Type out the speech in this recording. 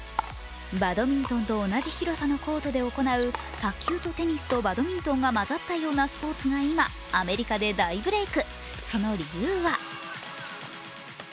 バドミントンと同じ広さのコートで行う、卓球とテニスとバドミントンが混ざったようなスポーツが今、アメリカで大ブレイク。